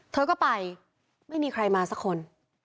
เธอก็ไปไม่มีใครมาสักคน